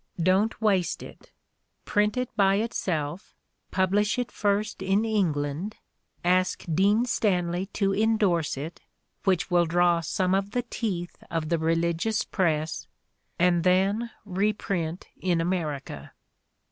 Don't waste it. Print it by itself — publish it first in England — ask Dean Stanley to endorse it, which will draw some of the teeth of the re ligious press, and then reprint in America."